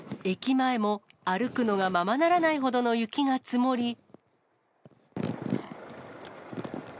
駅前も歩くのがままならないほどの雪が積もり。